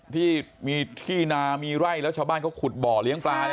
ที่มีที่นามีไร่แล้วชาวบ้านเขาขุดบ่อเลี้ยงปลา